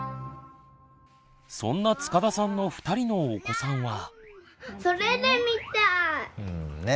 そんな塚田さんの２人のお子さんは。